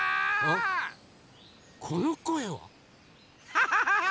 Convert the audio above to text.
ハハハハ！